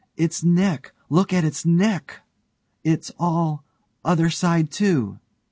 It's neck! Look at its neck! It's all other side to.